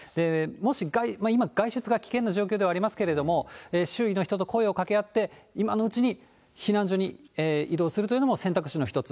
もし、今、外出が危険な状況ではありますけれども、周囲の人と声を掛け合って、今のうちに避難所に移動するというのも選択肢の一つ。